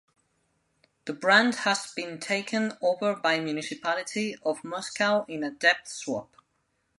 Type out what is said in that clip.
The brand has been taken over by municipality of Moscow in a dept swap.